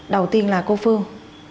đầu tiên là cô phương